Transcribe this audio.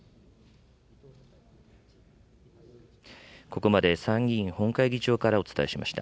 ここまで、参議院本会議場からお伝えしました。